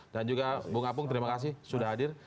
dan juga bung apung terima kasih sudah hadir